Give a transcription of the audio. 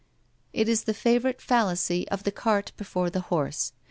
It is the favourite fallacy of the cart before the horse.